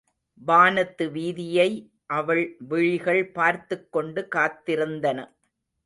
வானத்து வீதியை அவள் விழிகள் பார்த்துக் கொண்டு காத்திருந்தன.